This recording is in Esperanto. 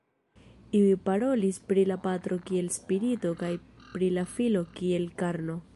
Iuj parolis pri la Patro kiel Spirito kaj pri la Filo kiel "karno".